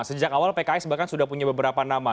sejak awal pks bahkan sudah punya beberapa nama